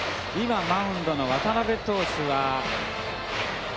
今マウンドの渡部投手は。